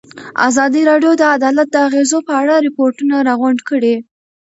ازادي راډیو د عدالت د اغېزو په اړه ریپوټونه راغونډ کړي.